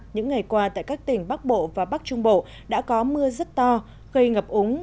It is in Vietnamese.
những ngày qua tại các tỉnh bắc bộ và bắc trung bộ đã có mưa rất to gây ngập úng